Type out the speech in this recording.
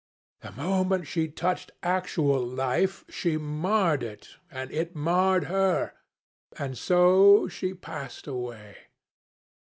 The moment she touched actual life, she marred it, and it marred her, and so she passed away.